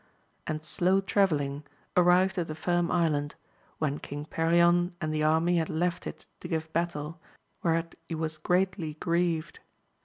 and slow travelling, arrived at the Firm Island, when King Perion and the army had left it to give battle, whereat he was greatly grieved.